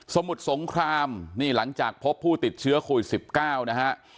มุดสงครามนี่หลังจากพบผู้ติดเชื้อโควิด๑๙นะฮะ